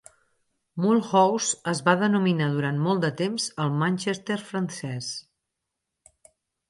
Mulhouse es va denominar durant molt de temps el Manchester francès.